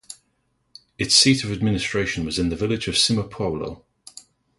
Its seat of administration was in the village Simopoulo.